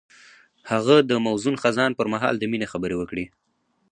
هغه د موزون خزان پر مهال د مینې خبرې وکړې.